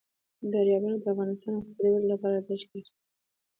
دریابونه د افغانستان د اقتصادي ودې لپاره ارزښت لري.